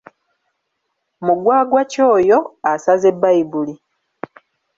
Mugwagwa ki oyo asaze Baibuli?